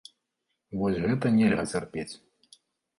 Вось гэта нельга цярпець.